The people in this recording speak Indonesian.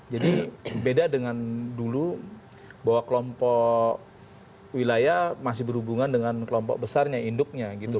jadi beda dengan dulu bahwa kelompok wilayah masih berhubungan dengan kelompok besarnya induknya gitu